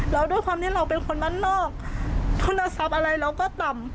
แล้วด้วยความที่เราเป็นคนบ้านนอกทุนทรัพย์อะไรเราก็ต่ำ